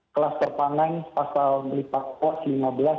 kelas terpanggang pasti akan berubah